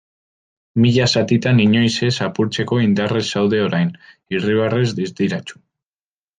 Mila zatitan inoiz ez apurtzeko, indarrez zaude orain, irribarrez distiratsu.